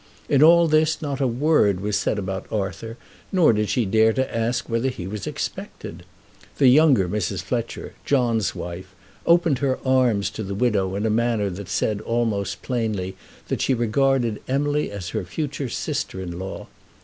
In all this not a word was said about Arthur, nor did she dare to ask whether he was expected. The younger Mrs. Fletcher, John's wife, opened her arms to the widow in a manner that almost plainly said that she regarded Emily as her future sister in law.